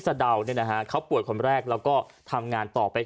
สะดาวเนี่ยนะฮะเขาป่วยคนแรกแล้วก็ทำงานต่อไป